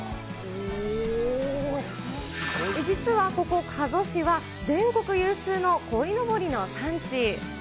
実はここ、加須市は、全国有数のこいのぼりの産地。